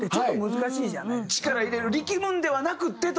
力入れる力むんではなくってという。